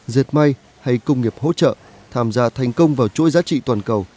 dệt may hay công nghiệp hỗ trợ tham gia thành công vào chuỗi giá trị toàn cầu